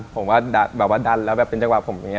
แบบว่าแบบว่าดันแล้วแบบเป็นจังหวะผมอย่างนี้